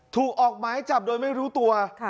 ถูกออกหมายจับโดยไม่รู้ตัว